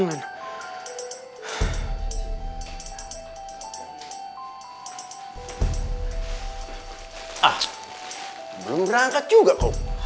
ah belum berangkat juga kok